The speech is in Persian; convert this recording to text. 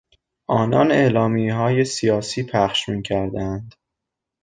آنان اعلامیههای سیاسی پخش میکردند.